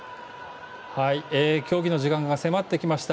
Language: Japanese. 競技の時間が迫ってきました。